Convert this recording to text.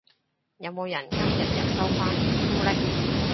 有冇人今日有收花食朱古力？